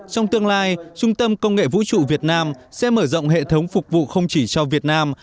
trong tương lai trung tâm công nghệ vũ trụ việt nam sẽ mở rộng hệ thống phục vụ không chỉ cho việt nam